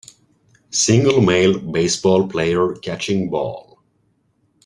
Single male baseball player catching ball